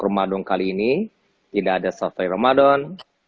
ramadan kali ini tidak ada safari ramadan